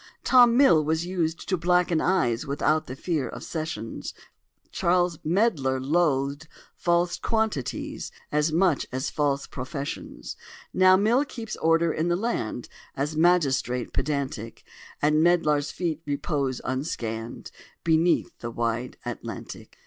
Tom Mill was used to blacken eyes Without the fear of sessions: Charles Medlar loathed false quantities As much as false professions: Now Mill keeps order in the land, A magistrate pedantic: And Medlar's feet repose unscanned Beneath the wide Atlantic."